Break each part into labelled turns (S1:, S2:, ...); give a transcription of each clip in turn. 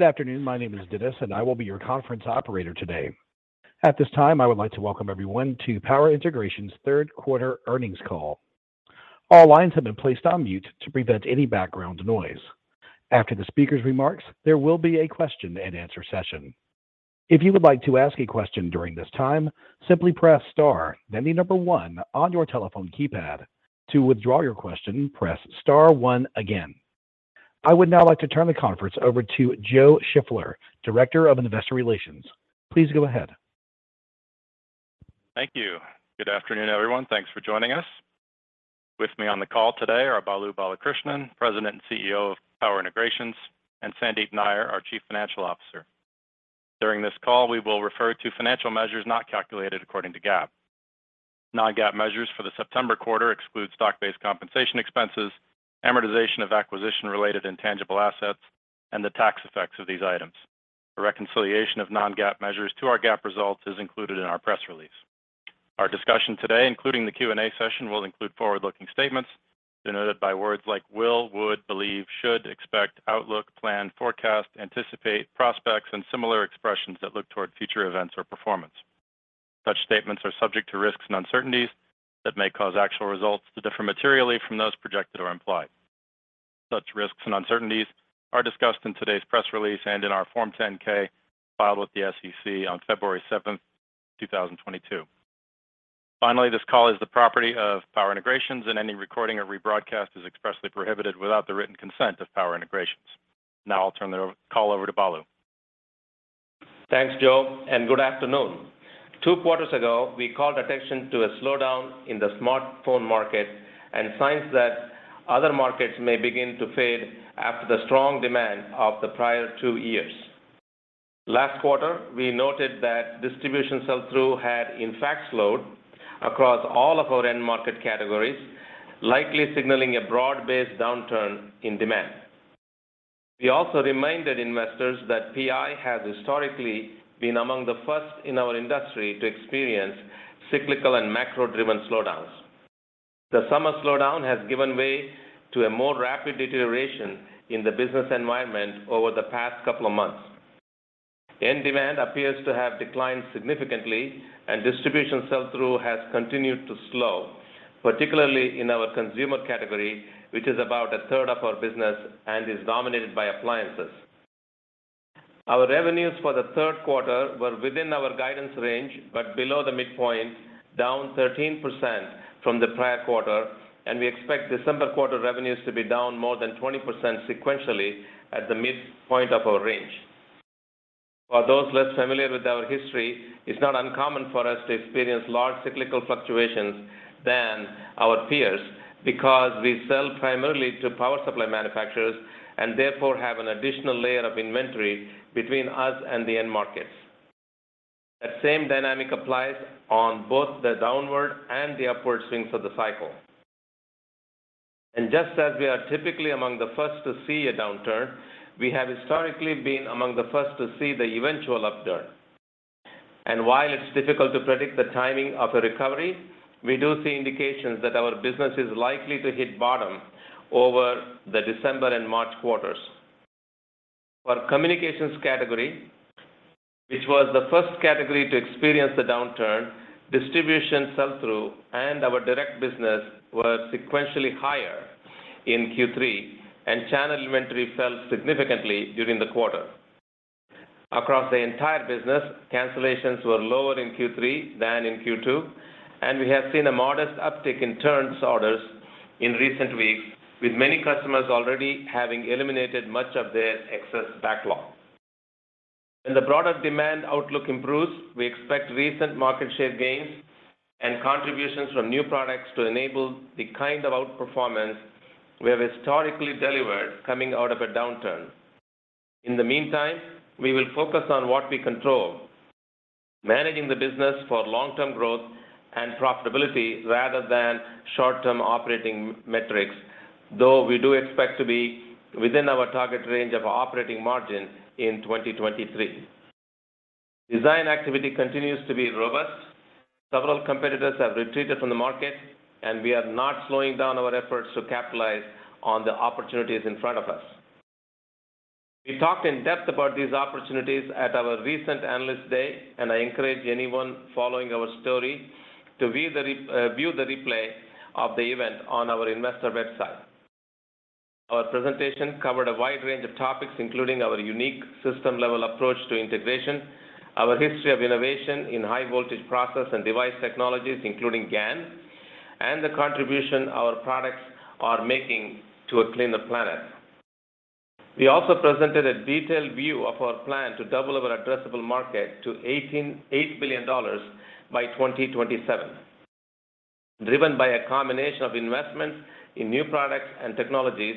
S1: Good afternoon. My name is Dennis, and I will be your conference operator today. At this time, I would like to welcome everyone to Power Integrations' third quarter earnings call. All lines have been placed on mute to prevent any background noise. After the speaker's remarks, there will be a question-and-answer session. If you would like to ask a question during this time, simply press star, then the number one on your telephone keypad. To withdraw your question, press star one again. I would now like to turn the conference over to Joe Shiffler, Director of Investor Relations. Please go ahead.
S2: Thank you. Good afternoon, everyone. Thanks for joining us. With me on the call today are Balu Balakrishnan, President and CEO of Power Integrations, and Sandeep Nayyar, our Chief Financial Officer. During this call, we will refer to financial measures not calculated according to GAAP. Non-GAAP measures for the September quarter exclude stock-based compensation expenses, amortization of acquisition-related intangible assets, and the tax effects of these items. A reconciliation of non-GAAP measures to our GAAP results is included in our press release. Our discussion today, including the Q&A session, will include forward-looking statements denoted by words like will, would, believe, should, expect, outlook, plan, forecast, anticipate, prospects, and similar expressions that look toward future events or performance. Such statements are subject to risks and uncertainties that may cause actual results to differ materially from those projected or implied. Such risks and uncertainties are discussed in today's press release and in our Form 10-K filed with the SEC on February 7th, 2022. Finally, this call is the property of Power Integrations, and any recording or rebroadcast is expressly prohibited without the written consent of Power Integrations. Now I'll turn the call over to Balu.
S3: Thanks, Joe, and good afternoon. Two quarters ago, we called attention to a slowdown in the smartphone market and signs that other markets may begin to fade after the strong demand of the prior two years. Last quarter, we noted that distribution sell-through had in fact slowed across all of our end market categories, likely signaling a broad-based downturn in demand. We also reminded investors that PI has historically been among the first in our industry to experience cyclical and macro-driven slowdowns. The summer slowdown has given way to a more rapid deterioration in the business environment over the past couple of months. End demand appears to have declined significantly, and distribution sell-through has continued to slow, particularly in our consumer category, which is about a third of our business and is dominated by appliances. Our revenues for the third quarter were within our guidance range, but below the midpoint, down 13% from the prior quarter, and we expect December quarter revenues to be down more than 20% sequentially at the midpoint of our range. For those less familiar with our history, it's not uncommon for us to experience larger cyclical fluctuations than our peers, because we sell primarily to power supply manufacturers and therefore have an additional layer of inventory between us and the end markets. That same dynamic applies on both the downward and the upward swings of the cycle. Just as we are typically among the first to see a downturn, we have historically been among the first to see the eventual upturn. While it's difficult to predict the timing of a recovery, we do see indications that our business is likely to hit bottom over the December and March quarters. For our communications category, which was the first category to experience the downturn, distribution sell-through and our direct business were sequentially higher in Q3, and channel inventory fell significantly during the quarter. Across the entire business, cancellations were lower in Q3 than in Q2, and we have seen a modest uptick in turns orders in recent weeks, with many customers already having eliminated much of their excess backlog. When the broader demand outlook improves, we expect recent market share gains and contributions from new products to enable the kind of outperformance we have historically delivered coming out of a downturn. In the meantime, we will focus on what we control, managing the business for long-term growth and profitability rather than short-term operating metrics, though we do expect to be within our target range of operating margin in 2023. Design activity continues to be robust. Several competitors have retreated from the market, and we are not slowing down our efforts to capitalize on the opportunities in front of us. We talked in depth about these opportunities at our recent Analyst Day, and I encourage anyone following our story to view the replay of the event on our investor website. Our presentation covered a wide range of topics, including our unique system-level approach to integration, our history of innovation in high voltage process and device technologies, including GaN, and the contribution our products are making to a cleaner planet. We also presented a detailed view of our plan to double our addressable market to $8 billion by 2027, driven by a combination of investments in new products and technologies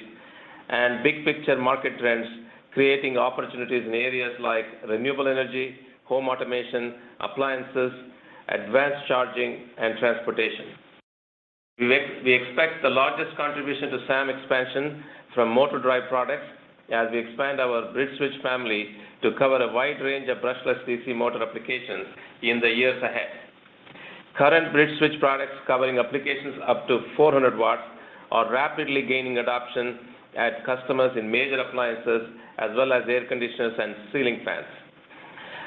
S3: and big-picture market trends, creating opportunities in areas like renewable energy, home automation, appliances, advanced charging, and transportation. We expect the largest contribution to SAM expansion from motor drive products as we expand our BridgeSwitch family to cover a wide range of brushless DC motor applications in the years ahead. Current BridgeSwitch products covering applications up to 400 W are rapidly gaining adoption at customers in major appliances as well as air conditioners and ceiling fans.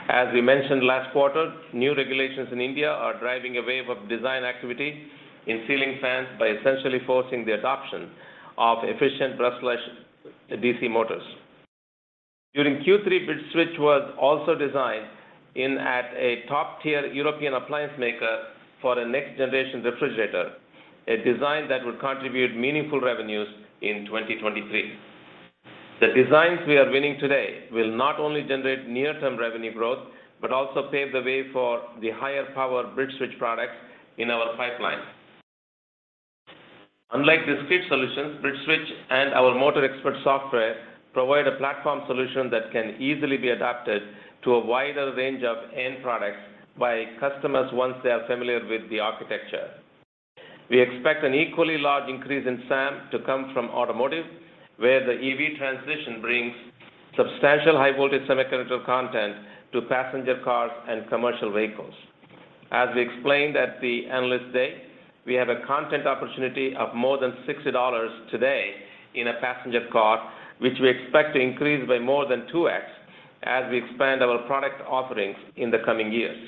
S3: As we mentioned last quarter, new regulations in India are driving a wave of design activity in ceiling fans by essentially forcing the adoption of efficient brushless DC motors. During Q3, BridgeSwitch was also designed in at a top-tier European appliance maker for a next-generation refrigerator, a design that would contribute meaningful revenues in 2023. The designs we are winning today will not only generate near-term revenue growth, but also pave the way for the higher power BridgeSwitch products in our pipeline. Unlike discrete solutions, BridgeSwitch and our MotorXpert software provide a platform solution that can easily be adapted to a wider range of end products by customers once they are familiar with the architecture. We expect an equally large increase in SAM to come from automotive, where the EV transition brings substantial high voltage semiconductor content to passenger cars and commercial vehicles. As we explained at the Analyst Day, we have a content opportunity of more than $60 today in a passenger car, which we expect to increase by more than 2x as we expand our product offerings in the coming years.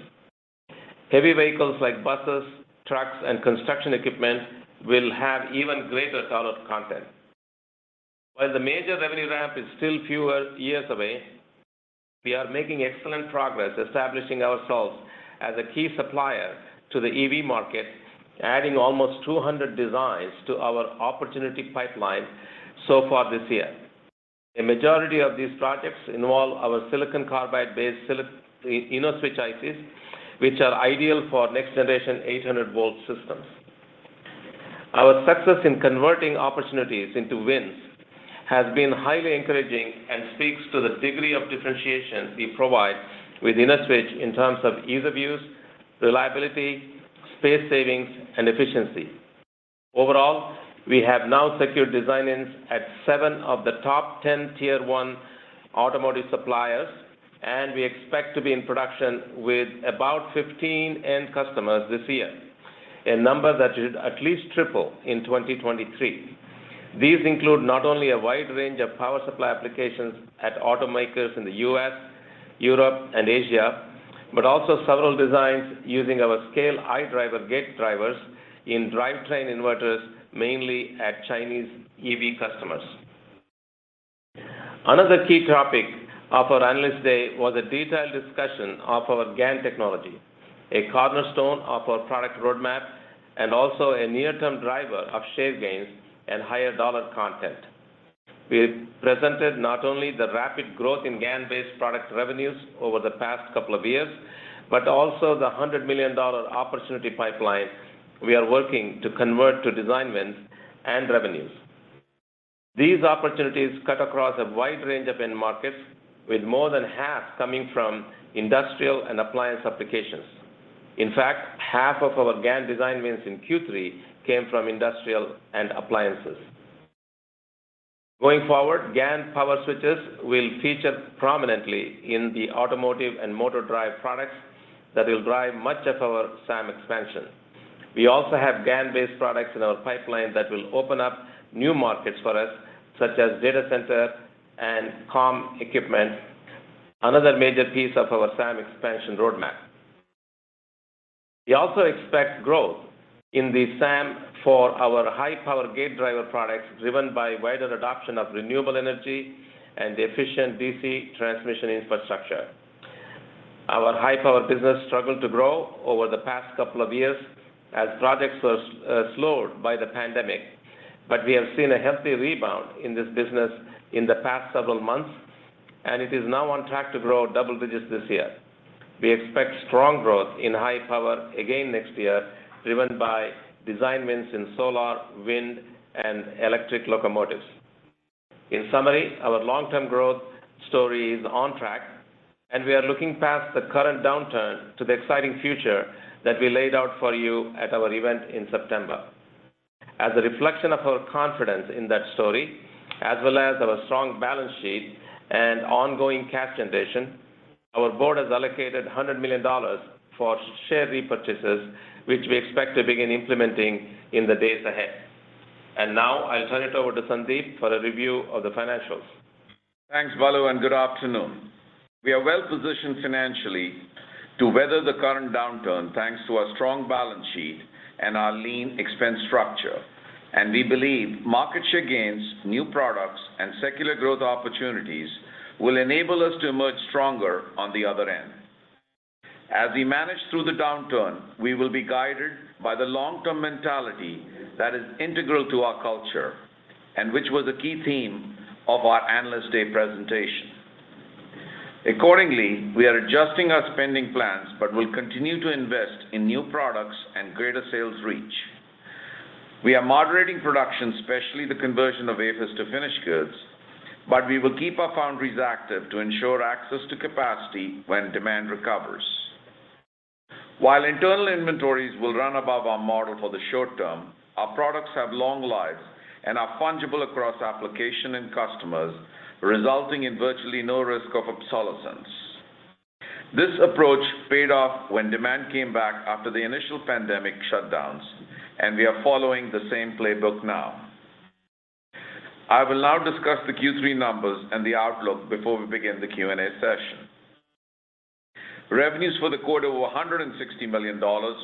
S3: Heavy vehicles like buses, trucks, and construction equipment will have even greater dollar content. While the major revenue ramp is still fewer years away, we are making excellent progress establishing ourselves as a key supplier to the EV market, adding almost 200 designs to our opportunity pipeline so far this year. A majority of these projects involve our silicon carbide-based InnoSwitch ICs, which are ideal for next-generation 800 V systems. Our success in converting opportunities into wins has been highly encouraging and speaks to the degree of differentiation we provide with InnoSwitch in terms of ease of use, reliability, space savings, and efficiency. Overall, we have now secured design-ins at seven of the top 10 Tier One automotive suppliers, and we expect to be in production with about 15 end customers this year, a number that should at least triple in 2023. These include not only a wide range of power supply applications at automakers in the U.S., Europe, and Asia, but also several designs using our SCALE-iDriver gate drivers in drivetrain inverters, mainly at Chinese EV customers. Another key topic of our Analyst Day was a detailed discussion of our GaN technology, a cornerstone of our product roadmap, and also a near-term driver of share gains and higher dollar content. We presented not only the rapid growth in GaN-based product revenues over the past couple of years, but also the $100 million opportunity pipeline we are working to convert to design wins and revenues. These opportunities cut across a wide range of end markets, with more than half coming from industrial and appliance applications. In fact, half of our GaN design wins in Q3 came from industrial and appliances. Going forward, GaN power switches will feature prominently in the automotive and motor drive products that will drive much of our SAM expansion. We also have GaN-based products in our pipeline that will open up new markets for us, such as data center and comm equipment, another major piece of our SAM expansion roadmap. We also expect growth in the SAM for our high-power gate driver products, driven by wider adoption of renewable energy and efficient DC transmission infrastructure. Our high-power business struggled to grow over the past couple of years as projects were slowed by the pandemic, but we have seen a healthy rebound in this business in the past several months, and it is now on track to grow double digits this year. We expect strong growth in high power again next year, driven by design wins in solar, wind, and electric locomotives. In summary, our long-term growth story is on track, and we are looking past the current downturn to the exciting future that we laid out for you at our event in September. As a reflection of our confidence in that story, as well as our strong balance sheet and ongoing cash generation, our board has allocated $100 million for share repurchases, which we expect to begin implementing in the days ahead. Now I'll turn it over to Sandeep for a review of the financials.
S4: Thanks, Balu, and good afternoon. We are well positioned financially to weather the current downturn, thanks to our strong balance sheet and our lean expense structure. We believe market share gains, new products, and secular growth opportunities will enable us to emerge stronger on the other end. As we manage through the downturn, we will be guided by the long-term mentality that is integral to our culture and which was a key theme of our Analyst Day presentation. Accordingly, we are adjusting our spending plans but will continue to invest in new products and greater sales reach. We are moderating production, especially the conversion of wafers to finished goods, but we will keep our foundries active to ensure access to capacity when demand recovers. While internal inventories will run above our model for the short term, our products have long lives and are fungible across application and customers, resulting in virtually no risk of obsolescence. This approach paid off when demand came back after the initial pandemic shutdowns, and we are following the same playbook now. I will now discuss the Q3 numbers and the outlook before we begin the Q&A session. Revenues for the quarter were $160 million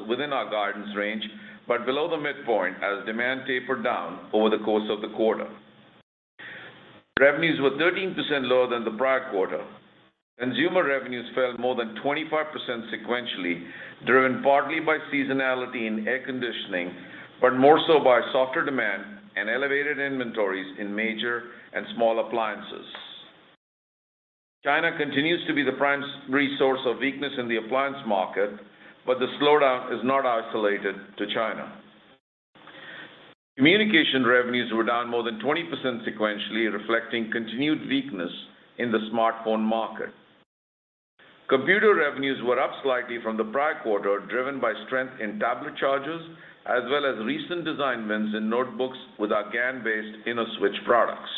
S4: within our guidance range, but below the midpoint as demand tapered down over the course of the quarter. Revenues were 13% lower than the prior quarter. Consumer revenues fell more than 25% sequentially, driven partly by seasonality in air conditioning, but more so by softer demand and elevated inventories in major and small appliances. China continues to be the prime source of weakness in the appliance market, but the slowdown is not isolated to China. Communication revenues were down more than 20% sequentially, reflecting continued weakness in the smartphone market. Computer revenues were up slightly from the prior quarter, driven by strength in tablet chargers as well as recent design wins in notebooks with our GaN-based InnoSwitch products.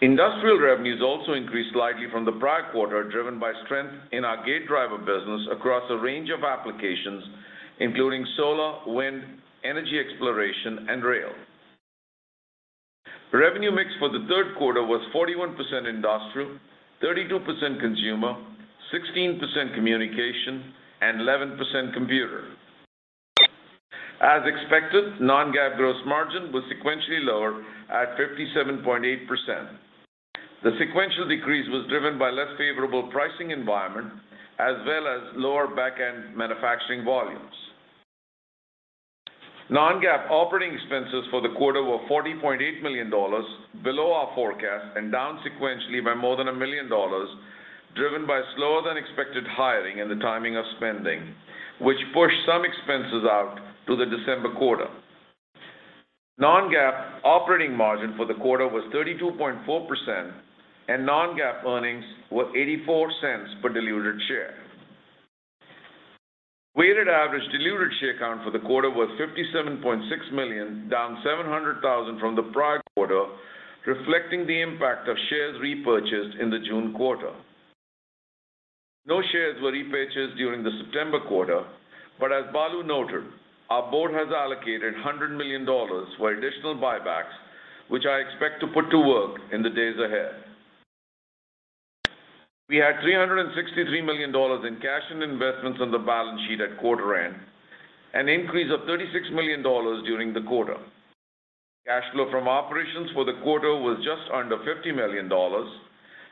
S4: Industrial revenues also increased slightly from the prior quarter, driven by strength in our gate driver business across a range of applications, including solar, wind, energy exploration, and rail. Revenue mix for the third quarter was 41% industrial, 32% consumer, 16% communication, and 11% computer. As expected, non-GAAP gross margin was sequentially lower at 57.8%. The sequential decrease was driven by less favorable pricing environment as well as lower back-end manufacturing volumes. Non-GAAP operating expenses for the quarter were $40.8 million below our forecast and down sequentially by more than $1 million, driven by slower than expected hiring and the timing of spending, which pushed some expenses out to the December quarter. Non-GAAP operating margin for the quarter was 32.4%, and non-GAAP earnings were $0.84 per diluted share. Weighted average diluted share count for the quarter was 57.6 million, down 700,000 from the prior quarter, reflecting the impact of shares repurchased in the June quarter. No shares were repurchased during the September quarter, but as Balu noted, our board has allocated $100 million for additional buybacks, which I expect to put to work in the days ahead. We had $363 million in cash and investments on the balance sheet at quarter end, an increase of $36 million during the quarter. Cash flow from operations for the quarter was just under $50 million,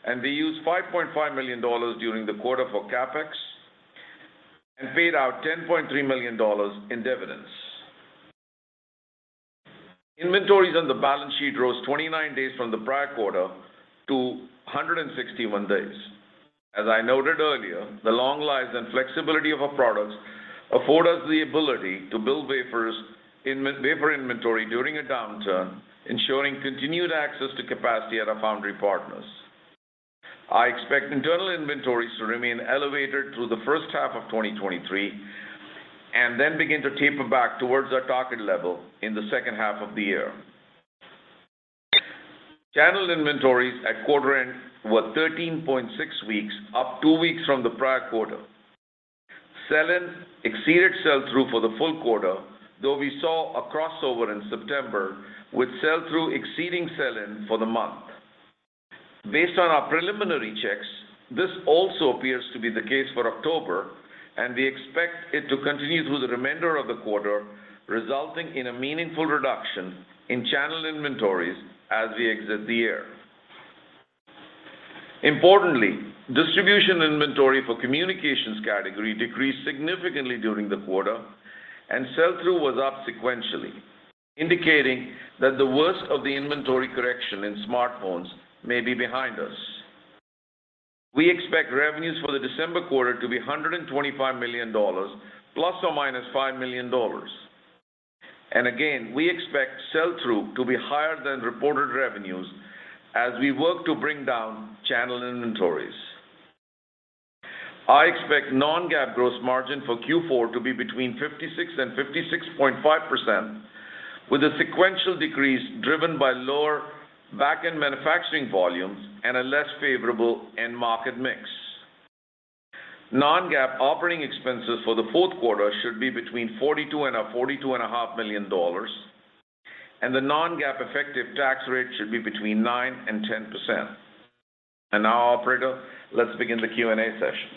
S4: and we used $5.5 million during the quarter for CapEx and paid out $10.3 million in dividends. Inventories on the balance sheet rose 29 days from the prior quarter to 161 days. As I noted earlier, the long lives and flexibility of our products afford us the ability to build wafers in wafer inventory during a downturn, ensuring continued access to capacity at our foundry partners. I expect internal inventories to remain elevated through the first half of 2023, and then begin to taper back towards our target level in the second half of the year. Channel inventories at quarter end were 13.6 weeks, up two weeks from the prior quarter. Sell-in exceeded sell-through for the full quarter, though we saw a crossover in September with sell-through exceeding sell-in for the month. Based on our preliminary checks, this also appears to be the case for October, and we expect it to continue through the remainder of the quarter, resulting in a meaningful reduction in channel inventories as we exit the year. Importantly, distribution inventory for communications category decreased significantly during the quarter, and sell-through was up sequentially, indicating that the worst of the inventory correction in smartphones may be behind us. We expect revenues for the December quarter to be $125 million ± $5 million. Again, we expect sell-through to be higher than reported revenues as we work to bring down channel inventories. I expect non-GAAP gross margin for Q4 to be between 56% and 56.5%, with a sequential decrease driven by lower backend manufacturing volumes and a less favorable end market mix. Non-GAAP operating expenses for the fourth quarter should be between $42 million and $42.5 million, and the non-GAAP effective tax rate should be between 9% and 10%. Now, operator, let's begin the Q&A session.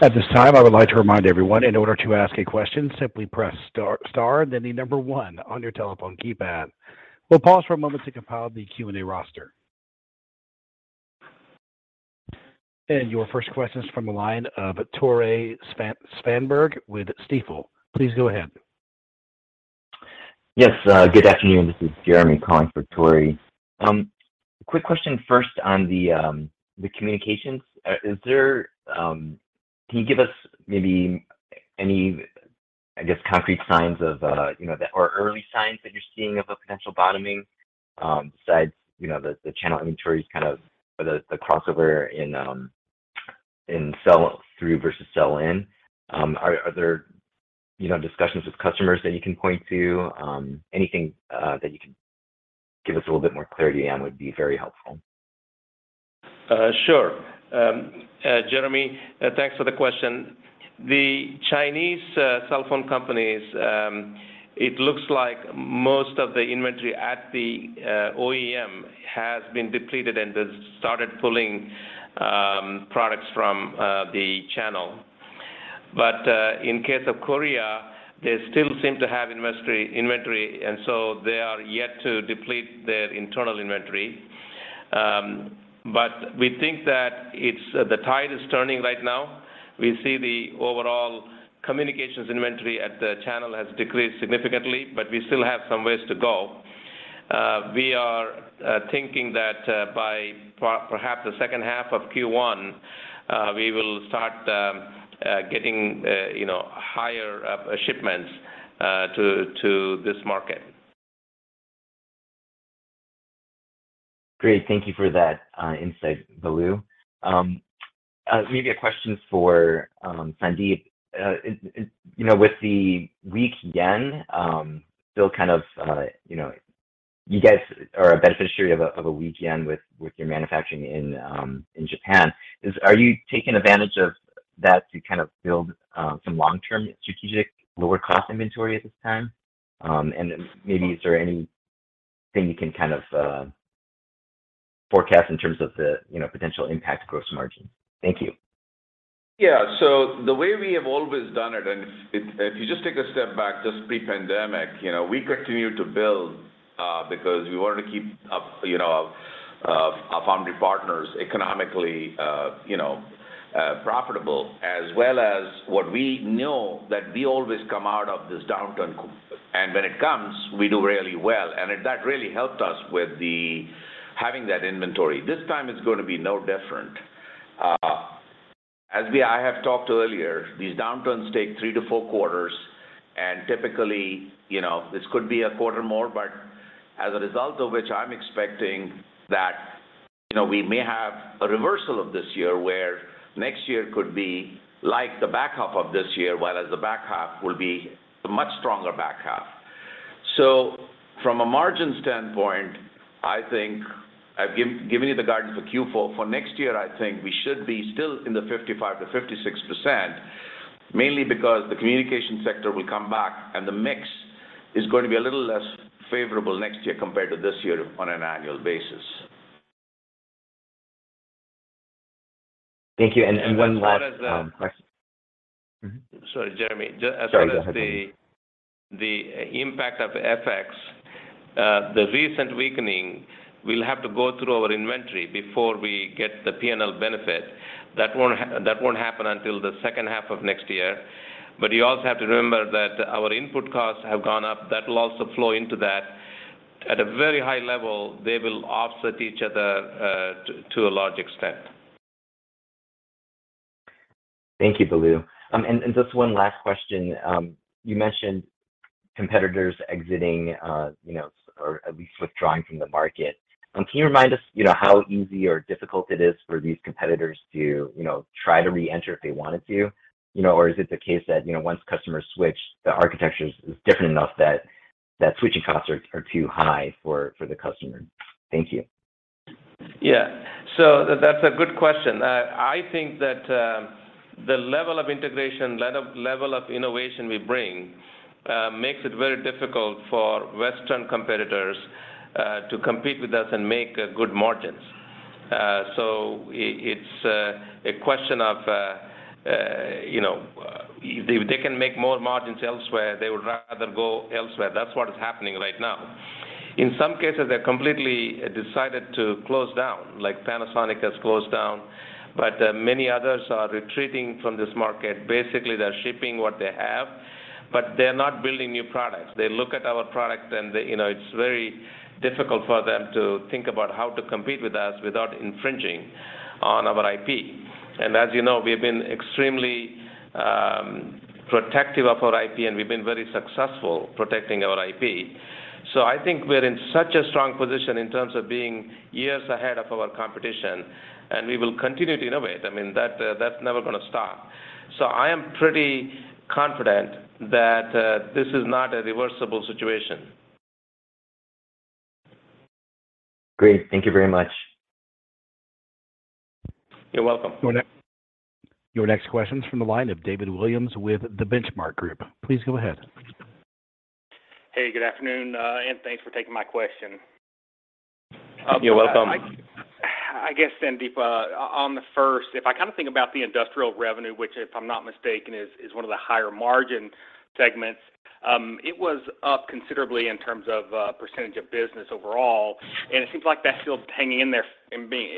S1: At this time, I would like to remind everyone, in order to ask a question, simply press star-star, then the number one on your telephone keypad. We'll pause for a moment to compile the Q&A roster. Your first question is from the line of Tore Svanberg with Stifel. Please go ahead.
S5: Yes, good afternoon. This is Jeremy calling for Tore. Quick question first on the communications. Is there... Can you give us maybe any, I guess, concrete signs of, you know, or early signs that you're seeing of a potential bottoming, besides, you know, the channel inventories kind of or the crossover in sell through versus sell in, are there, you know, discussions with customers that you can point to? Anything that you can give us a little bit more clarity on would be very helpful.
S3: Sure. Jeremy, thanks for the question. The Chinese cellphone companies, it looks like most of the inventory at the OEM has been depleted, and they've started pulling products from the channel. In case of Korea, they still seem to have inventory, and so they are yet to deplete their internal inventory. We think that it's the tide is turning right now. We see the overall communications inventory at the channel has decreased significantly, but we still have some ways to go. We are thinking that by perhaps the second half of Q1, we will start getting, you know, higher shipments to this market.
S5: Great. Thank you for that insight, Balu. Maybe a question for Sandeep. You know, with the weak yen, still kind of, you know, you guys are a beneficiary of a weak yen with your manufacturing in Japan. Are you taking advantage of that to kind of build some long-term strategic lower cost inventory at this time? Maybe is there anything you can kind of forecast in terms of the, you know, potential impact gross margin? Thank you.
S4: Yeah. The way we have always done it, and if you just take a step back, just pre-pandemic, you know, we continued to build, because we wanted to keep up, you know, our foundry partners economically, you know, profitable, as well as what we know that we always come out of this downturn. When it comes, we do really well, and it, that really helped us with the having that inventory. This time it's gonna be no different. As I have talked earlier, these downturns take three to four quarters, and typically, you know, this could be a quarter more, but as a result of which I'm expecting that, you know, we may have a reversal of this year, where next year could be like the back half of this year, whereas the back half will be a much stronger back half. From a margin standpoint, I think I've given you the guidance for Q4. For next year, I think we should be still in the 55%-56%, mainly because the communication sector will come back, and the mix is going to be a little less favorable next year compared to this year on an annual basis.
S5: Thank you. One last
S3: As far as the
S5: Mm-hmm.
S3: Sorry, Jeremy.
S5: Sorry, go ahead.
S3: The impact of FX, the recent weakening will have to go through our inventory before we get the P&L benefit. That won't happen until the second half of next year. You also have to remember that our input costs have gone up. That will also flow into that. At a very high level, they will offset each other to a large extent.
S5: Thank you, Balu. Just one last question. You mentioned competitors exiting, you know, or at least withdrawing from the market. Can you remind us, you know, how easy or difficult it is for these competitors to, you know, try to reenter if they wanted to? You know, or is it the case that, you know, once customers switch, the architecture is different enough that switching costs are too high for the customer? Thank you.
S3: Yeah. That's a good question. I think that the level of integration, level of innovation we bring makes it very difficult for Western competitors to compete with us and make good margins. It's a question of, you know, if they can make more margins elsewhere, they would rather go elsewhere. That's what is happening right now. In some cases, they completely decided to close down, like Panasonic has closed down, but many others are retreating from this market. Basically, they're shipping what they have, but they're not building new products. They look at our products and they, you know, it's very difficult for them to think about how to compete with us without infringing on our IP. As you know, we've been extremely protective of our IP, and we've been very successful protecting our IP. I think we're in such a strong position in terms of being years ahead of our competition, and we will continue to innovate. I mean, that's never gonna stop. I am pretty confident that this is not a reversible situation.
S5: Great. Thank you very much.
S3: You're welcome.
S1: Your next question is from the line of David Williams with The Benchmark Group. Please go ahead.
S6: Hey, good afternoon, and thanks for taking my question.
S3: You're welcome.
S6: I guess, Sandeep, on the first, if I kind of think about the industrial revenue, which, if I'm not mistaken, is one of the higher margin segments, it was up considerably in terms of percentage of business overall, and it seems like that's still hanging in there and being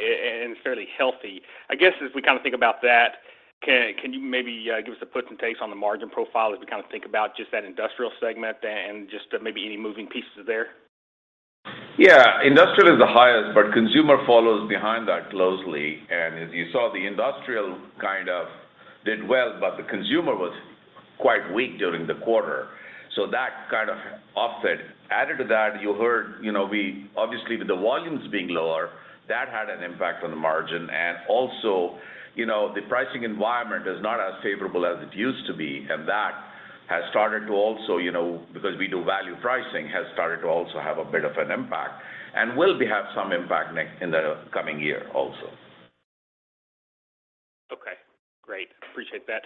S6: and fairly healthy. I guess as we kind of think about that, can you maybe give us a pulse and take on the margin profile as we kind of think about just that industrial segment and just maybe any moving pieces there?
S4: Yeah. Industrial is the highest, but consumer follows behind that closely. As you saw, the industrial Did well, but the consumer was quite weak during the quarter, so that kind of offset. Added to that, you heard, you know, obviously, with the volumes being lower, that had an impact on the margin. Also, you know, the pricing environment is not as favorable as it used to be, and that has started to also, you know, because we do value pricing, have a bit of an impact and will have some impact in the coming year also.
S6: Okay. Great. Appreciate that.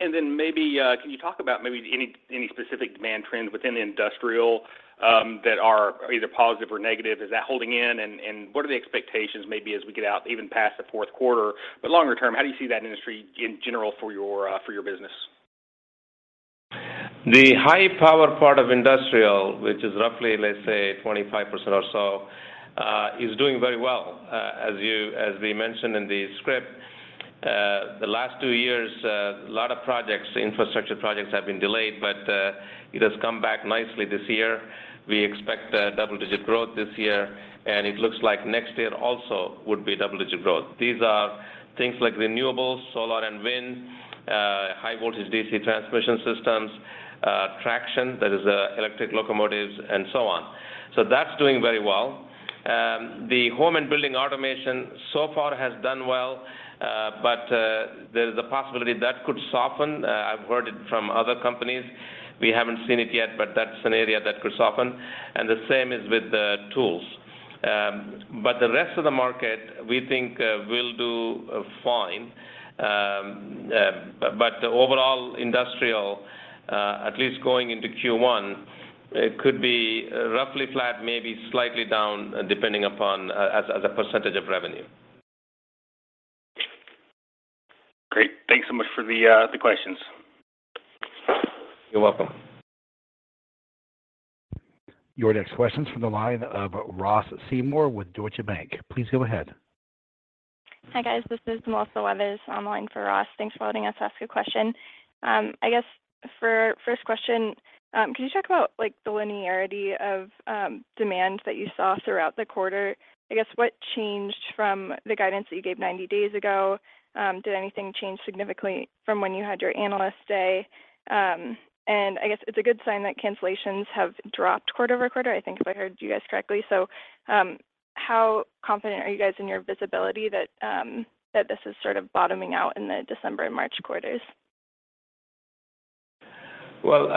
S6: Then maybe can you talk about maybe any specific demand trends within the industrial that are either positive or negative? Is that holding in? What are the expectations maybe as we get out even past the fourth quarter, but longer term, how do you see that industry in general for your business?
S3: The high-power part of industrial, which is roughly, let's say, 25% or so, is doing very well. As we mentioned in the script, the last two years, a lot of projects, infrastructure projects have been delayed, but it has come back nicely this year. We expect double-digit growth this year, and it looks like next year also would be double-digit growth. These are things like renewables, solar and wind, high-voltage DC transmission systems, traction, that is, electric locomotives and so on. That's doing very well. The home and building automation so far has done well, but there's a possibility that could soften. I've heard it from other companies. We haven't seen it yet, but that's an area that could soften, and the same is with the tools. The rest of the market, we think, will do fine. The overall industrial, at least going into Q1, could be roughly flat, maybe slightly down, depending upon as a percentage of revenue.
S6: Great. Thanks so much for the questions.
S3: You're welcome.
S1: Your next question's from the line of Ross Seymore with Deutsche Bank. Please go ahead.
S7: Hi, guys. This is Melissa Weathers on the line for Ross. Thanks for letting us ask a question. I guess for first question, can you talk about, like, the linearity of demand that you saw throughout the quarter? I guess what changed from the guidance that you gave 90 days ago? Did anything change significantly from when you had your Analyst Day? I guess it's a good sign that cancellations have dropped quarter-over-quarter, I think if I heard you guys correctly. How confident are you guys in your visibility that this is sort of bottoming out in the December and March quarters?
S3: Well,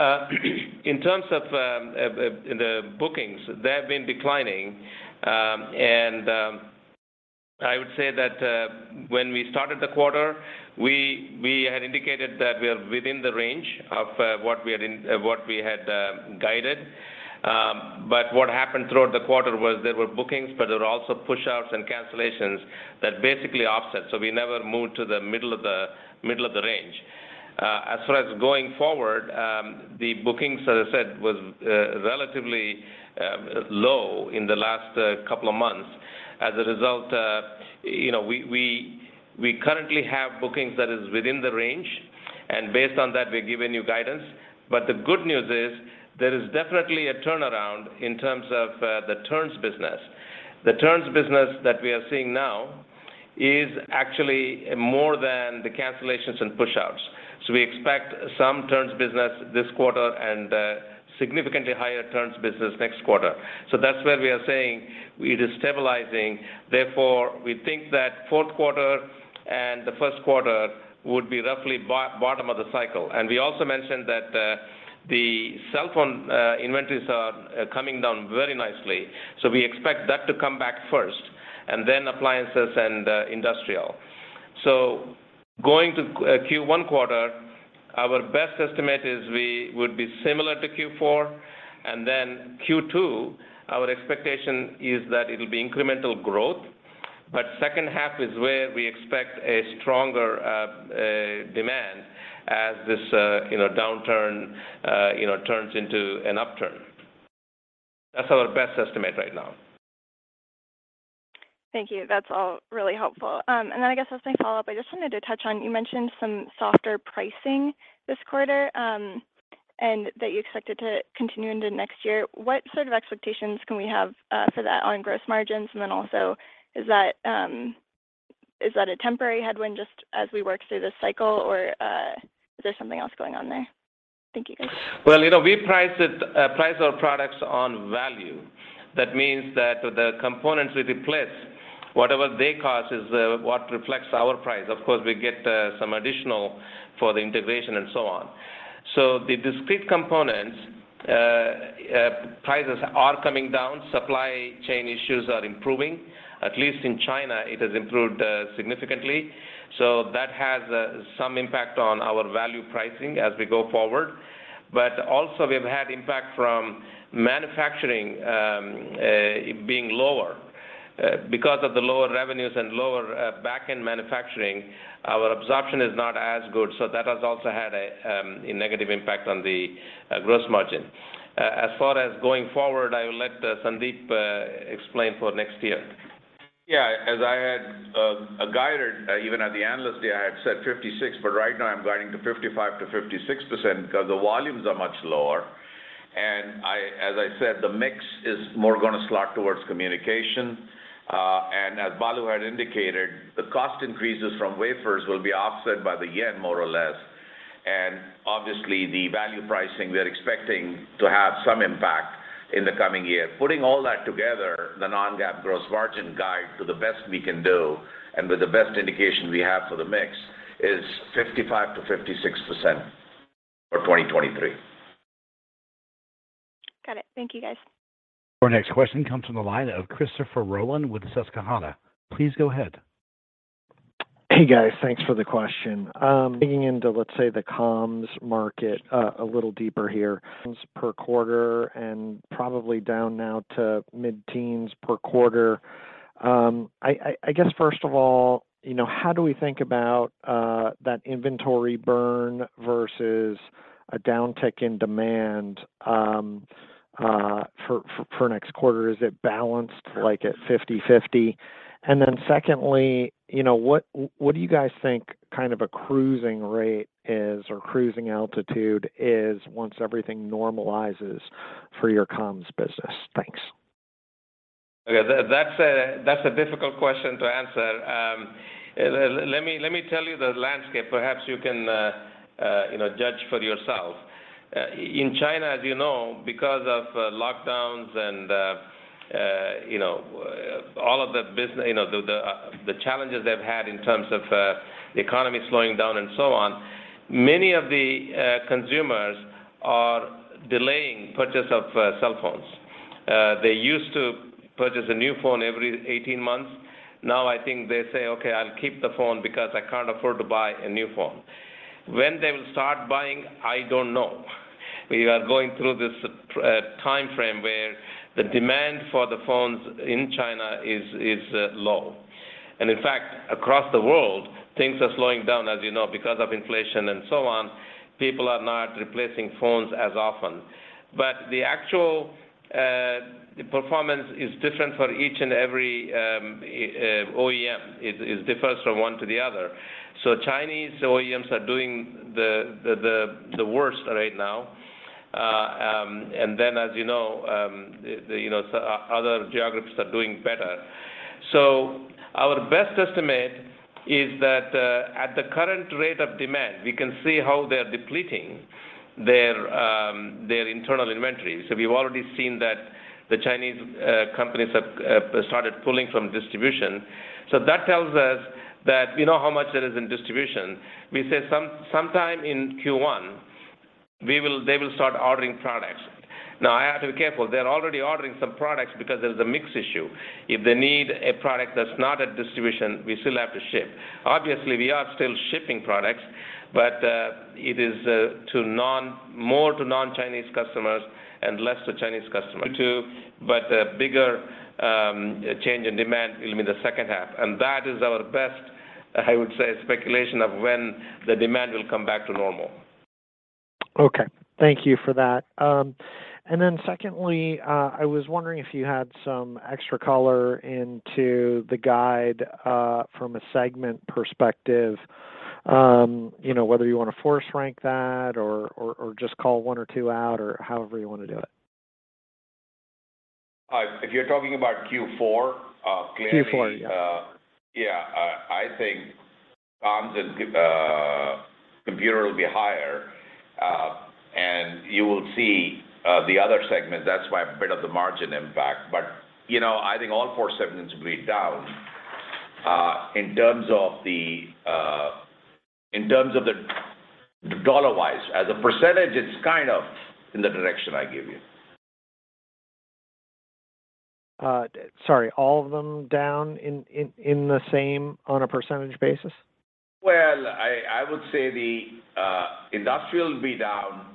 S3: in terms of the bookings, they have been declining. I would say that when we started the quarter, we had indicated that we are within the range of what we had guided. What happened throughout the quarter was there were bookings, but there were also pushouts and cancellations that basically offset, so we never moved to the middle of the range. As far as going forward, the bookings, as I said, was relatively low in the last couple of months. As a result, you know, we currently have bookings that is within the range, and based on that, we're giving you guidance. The good news is there is definitely a turnaround in terms of the turns business. The turns business that we are seeing now is actually more than the cancellations and pushouts. We expect some turns business this quarter and significantly higher turns business next quarter. That's where we are saying it is stabilizing. Therefore, we think that fourth quarter and the first quarter would be roughly bottom of the cycle. We also mentioned that the cell phone inventories are coming down very nicely. We expect that to come back first and then appliances and industrial. Going to Q1 quarter, our best estimate is we would be similar to Q4. Then Q2, our expectation is that it'll be incremental growth. Second half is where we expect a stronger demand as this you know downturn you know turns into an upturn. That's our best estimate right now.
S7: Thank you. That's all really helpful. I guess as a follow-up, I just wanted to touch on, you mentioned some softer pricing this quarter, and that you expect it to continue into next year. What sort of expectations can we have for that on gross margins? And then also, is that a temporary headwind just as we work through this cycle? Or, is there something else going on there? Thank you, guys.
S3: Well, you know, we price our products on value. That means that the components we replace, whatever they cost is what reflects our price. Of course, we get some additional for the integration and so on. The discrete components prices are coming down. Supply chain issues are improving. At least in China, it has improved significantly. That has some impact on our value pricing as we go forward. Also, we've had impact from manufacturing being lower. Because of the lower revenues and lower backend manufacturing, our absorption is not as good, so that has also had a negative impact on the gross margin. As far as going forward, I will let Sandeep explain for next year.
S4: Yeah. As I had guided even at the Analyst Day, I had said 56%, but right now I'm guiding to 55%-56% because the volumes are much lower. I, as I said, the mix is more gonna slot towards communication. As Balu had indicated, the cost increases from wafers will be offset by the yen more or less. Obviously, the value pricing we're expecting to have some impact in the coming year. Putting all that together, the non-GAAP gross margin guide to the best we can do and with the best indication we have for the mix is 55%-56% for 2023.
S7: Got it. Thank you, guys.
S1: Our next question comes from the line of Christopher Rolland with Susquehanna. Please go ahead.
S8: Hey, guys. Thanks for the question. Digging into, let's say, the comms market, a little deeper here. Per quarter and probably down now to mid-teens per quarter. I guess, first of all, you know, how do we think about, that inventory burn versus a downtick in demand, for next quarter? Is it balanced, like at 50/50? Secondly, you know, what do you guys think kind of a cruising rate is or cruising altitude is once everything normalizes for your comms business? Thanks.
S3: That's a difficult question to answer. Let me tell you the landscape. Perhaps you can, you know, judge for yourself. In China, as you know, because of lockdowns and all of the challenges they've had in terms of the economy slowing down and so on, many of the consumers are delaying purchase of cell phones. They used to purchase a new phone every 18 months. Now I think they say, "Okay, I'll keep the phone because I can't afford to buy a new phone." When they will start buying, I don't know. We are going through this timeframe where the demand for the phones in China is low. In fact, across the world, things are slowing down, as you know, because of inflation and so on. People are not replacing phones as often. The actual performance is different for each and every OEM. It differs from one to the other. Chinese OEMs are doing the worst right now. As you know, other geographies are doing better. Our best estimate is that at the current rate of demand, we can see how they're depleting their internal inventory. We've already seen that the Chinese companies have started pulling from distribution. That tells us that we know how much it is in distribution. We say sometime in Q1, they will start ordering products. Now, I have to be careful. They're already ordering some products because there's a mix issue. If they need a product that's not at distribution, we still have to ship. Obviously, we are still shipping products, but it is more to non-Chinese customers and less to Chinese customers too. A bigger change in demand will be in the second half, and that is our best, I would say, speculation of when the demand will come back to normal.
S8: Okay, thank you for that. Secondly, I was wondering if you had some extra color into the guide, from a segment perspective. You know, whether you wanna force rank that or just call one or two out, or however you wanna do it.
S4: If you're talking about Q4, clearly.
S8: Q4, yeah.
S4: Yeah, I think comms and computer will be higher. You will see the other segment. That's why a bit of the margin impact. You know, I think all four segments will be down in terms of the dollar-wise. As a percentage, it's kind of in the direction I gave you.
S8: Sorry, all of them down in the same on a percentage basis?
S4: Well, I would say the industrial will be down.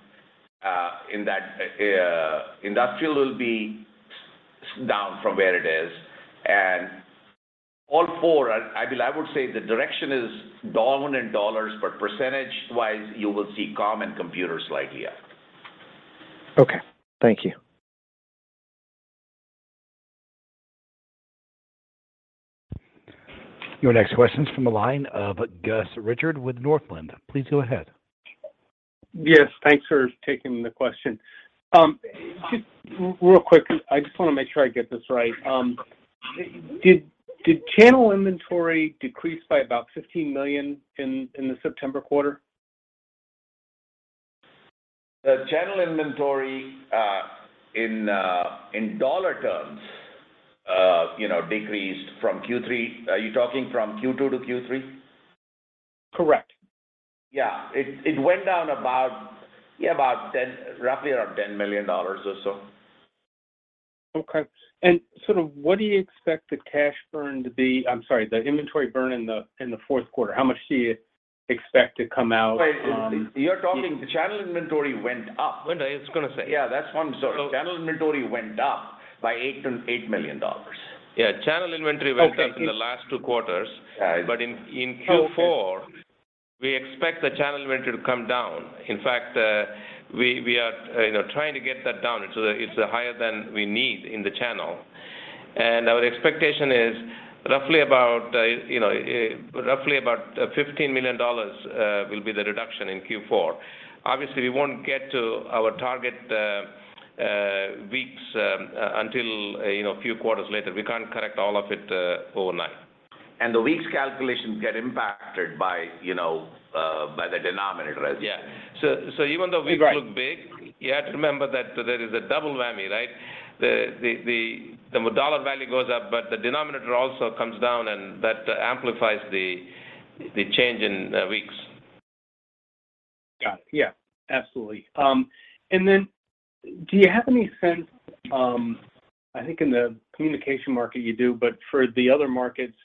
S4: Industrial will be down from where it is. All four, I believe, the direction is down in dollars, but percentage-wise, you will see comm and computer slightly up.
S8: Okay, thank you.
S1: Your next question's from the line of Gus Richard with Northland. Please go ahead.
S9: Yes, thanks for taking the question. Just real quick, I just wanna make sure I get this right. Did channel inventory decrease by about $15 million in the September quarter?
S4: The channel inventory, in dollar terms, you know, decreased from Q3. Are you talking from Q2 to Q3?
S9: Correct.
S4: Yeah. It went down about, yeah, about $10 million, roughly around $10 million or so.
S9: Sort of, what do you expect the inventory burn in the fourth quarter? How much do you expect to come out?
S4: Wait. You're talking the channel inventory went up.
S3: One day, I was gonna say.
S4: Yeah, that's what I'm. Sorry. Channel inventory went up by $8 million.
S9: Okay
S3: Yeah. Channel inventory went up nn the last two quarters.
S4: Yeah.
S3: In Q4, we expect the channel inventory to come down. In fact, we are, you know, trying to get that down. It's higher than we need in the channel. Our expectation is roughly about, you know, $15 million will be the reduction in Q4. Obviously, we won't get to our target weeks until, you know, a few quarters later. We can't correct all of it overnight.
S4: The week's calculations get impacted by, you know, by the denominator as
S3: Yeah. Even though weeks-
S9: Right...
S3: look big, you have to remember that there is a double whammy, right? The dollar value goes up, but the denominator also comes down, and that amplifies the change in weeks.
S9: Got it. Yeah, absolutely. Do you have any sense, I think in the communication market you do, but for the other markets,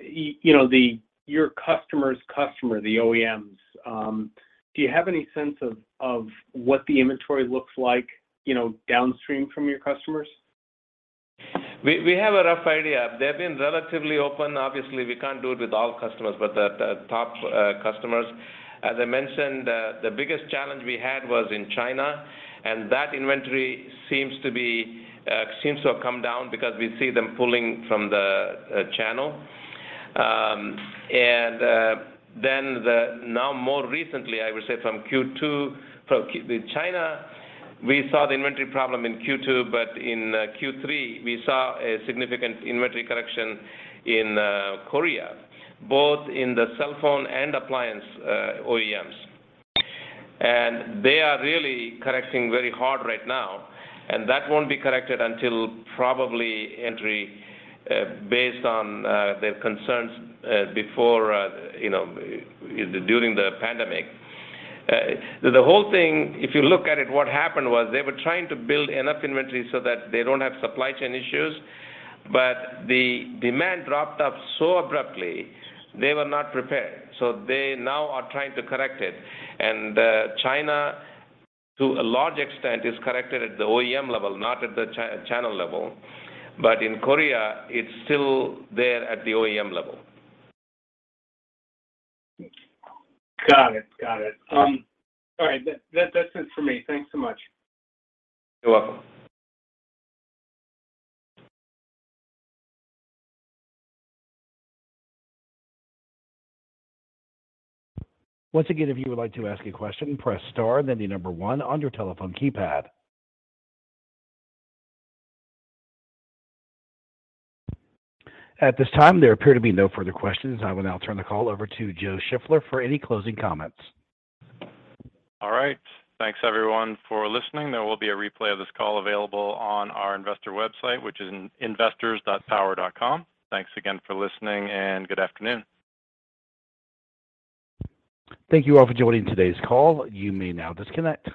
S9: you know, your customer's customer, the OEMs, do you have any sense of what the inventory looks like, you know, downstream from your customers?
S3: We have a rough idea. They've been relatively open. Obviously, we can't do it with all customers, but the top customers. As I mentioned, the biggest challenge we had was in China, and that inventory seems to have come down because we see them pulling from the channel. Now more recently, I would say from Q2 with China, we saw the inventory problem in Q2, but in Q3, we saw a significant inventory correction in Korea, both in the cell phone and appliance OEMs. They are really correcting very hard right now, and that won't be corrected until probably entry based on their concerns before you know during the pandemic. The whole thing, if you look at it, what happened was they were trying to build enough inventory so that they don't have supply chain issues, but the demand dropped off so abruptly, they were not prepared. They now are trying to correct it. China, to a large extent, is corrected at the OEM level, not at the channel level. In Korea, it's still there at the OEM level.
S9: Got it. All right. That's it for me. Thanks so much.
S3: You're welcome.
S1: Once again, if you would like to ask a question, press star then the number one on your telephone keypad. At this time, there appear to be no further questions. I will now turn the call over to Joe Shiffler for any closing comments.
S2: All right. Thanks everyone for listening. There will be a replay of this call available on our investor website, which is investors.power.com. Thanks again for listening, and good afternoon.
S1: Thank you all for joining today's call. You may now disconnect.